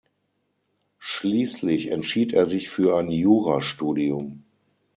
Schließlich entschied er sich für ein Jurastudium.